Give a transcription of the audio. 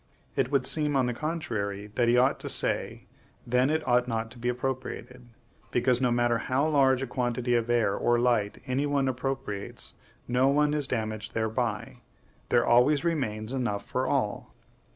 It would seem, on the contrary, that he ought to say, Then it ought not to be appropriated. Because, no matter how large a quantity of air or light any one appropriates, no one is damaged thereby; there always remains enough for all.